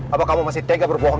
apa kamu masih tega berbohong